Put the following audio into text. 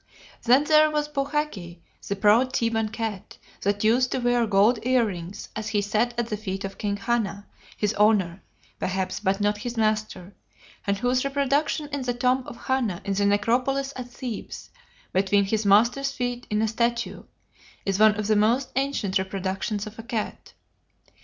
Then there was Bouhaki, the proud Theban cat that used to wear gold earrings as he sat at the feet of King Hana, his owner, perhaps, but not his master, and whose reproduction in the tomb of Hana in the Necropolis at Thebes, between his master's feet in a statue, is one of the most ancient reproductions of a cat.